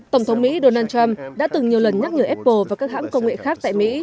tổng thống mỹ donald trump đã từng nhiều lần nhắc nhở apple và các hãng công nghệ khác tại mỹ